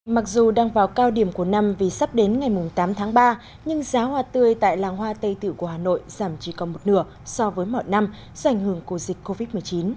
mặc dù đang vào cao điểm của năm vì sắp đến ngày tám tháng ba nhưng giá hoa tươi tại làng hoa tây tử của hà nội giảm chỉ còn một nửa so với mọi năm do ảnh hưởng của dịch covid một mươi chín